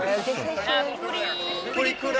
プリクラ。